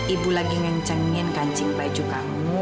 ibu lagi ngencengin kancing baju kamu